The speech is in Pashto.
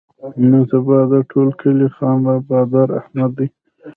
نن سبا د ټول کلي خان بادار احمد دی.